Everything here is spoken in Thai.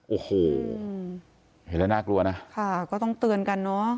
โอ้โหเห็นแล้วน่ากลัวนะค่ะก็ต้องเตือนกันเนอะ